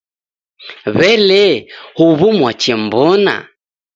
W'ele huwu mwachemw'ona?